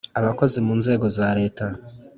Abakozi mu nzego za Leta